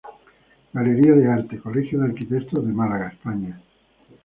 Galería de Arte, Colegio de Arquitectos de Málaga, España.